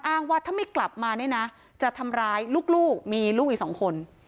อ้างว่าถ้าไม่กลับมาเนี่ยนะจะทำร้ายลูกมีลูกอีกสองคน